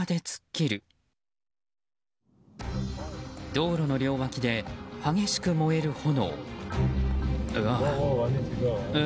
道路の両脇で激しく燃える炎。